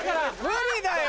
無理だよ！